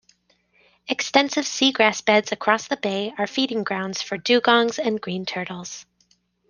Extensive seagrass beds across the bay are feeding grounds for Dugongs and Green Turtles.